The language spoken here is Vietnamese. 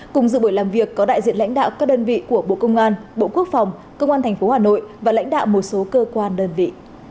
cùng dự buổi làm việc có đại diện lãnh đạo các đơn vị của bộ công an bộ quốc phòng công an tp hà nội và lãnh đạo một số cơ quan đơn vị